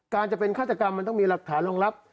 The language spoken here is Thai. จะเป็นฆาตกรรมมันต้องมีหลักฐานรองรับ